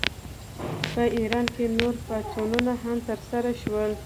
په ایران کې نور پاڅونونه هم ترسره شول.